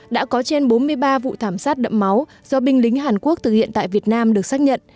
đã có trên bốn mươi ba vụ thảm sát đậm máu do binh lính hàn quốc thực hiện tại việt nam được xác nhận